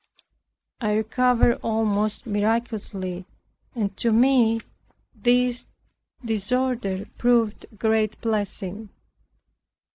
I recovered almost miraculously and to me this disorder proved a great blessing.